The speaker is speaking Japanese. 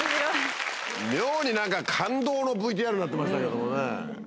妙になんか、感動のＶＴＲになってましたけれどもね。